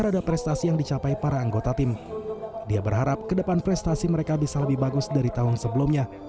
dia berharap ke depan prestasi mereka bisa lebih bagus dari tahun sebelumnya